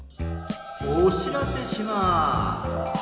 ・おしらせします。